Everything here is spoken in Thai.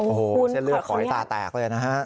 โอ้โหเสียเลือกขอยตาแตกเลยนะครับ